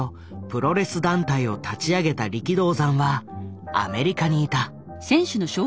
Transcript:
プロレス団体を立ち上げた力道山はアメリカにいた。